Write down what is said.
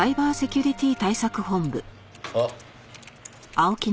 あっ。